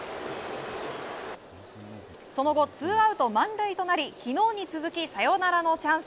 その後、２アウト満塁となり、昨日に続きサヨナラのチャンス。